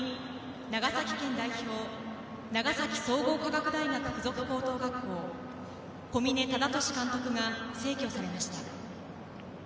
１月７日に長崎県代表、長崎総合科学大学付属高等学校・小嶺忠敏監督が逝去されました。